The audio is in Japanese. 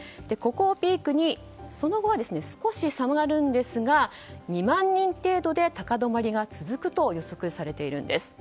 ここをピークにその後は少し下がりますが２万人程度で高止まりが続くと予測されているんです。